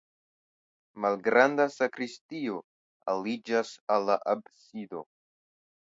Malgranda sakristio aliĝas al la absido.